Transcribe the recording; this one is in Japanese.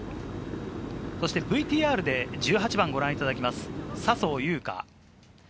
ＶＴＲで１８番をご覧いただきます、笹生優花。